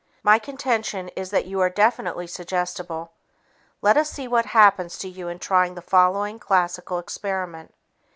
My contention is that you are definitely suggestible. Let us see what happens to you in trying the following classical experiment.